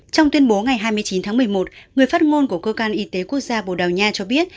trong tuyên bố ngày hai mươi chín tháng một mươi một người phát ngôn của cơ quan y tế quốc gia bồ đào nha cho biết